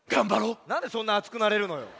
なんでそんなあつくなれるのよ。